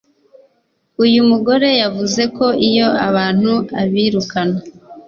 Uyu mugore yavuze ko iyo abantu abirukana